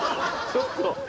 ちょっと。